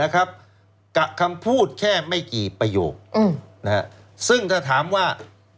กับคำพูดแค่ไม่กี่ประโยคซึ่งถ้าถามว่า